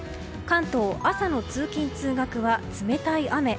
関東、朝の通勤・通学は冷たい雨。